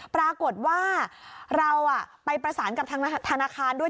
ปรากฏว่าเราไปประสานกับทางธนาคารด้วย